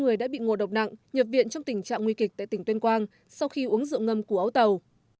một người đã bị ngộ độc nặng nhập viện trong tình trạng nguy kịch tại tỉnh tuyên quang sau khi uống rượu ngâm của ấu tàu